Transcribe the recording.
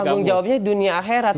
tanggung jawabnya dunia akhirat